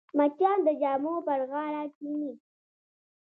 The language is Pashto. مچان د جامو پر غاړه کښېني